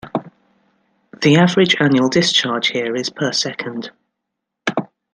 The average annual discharge here is per second.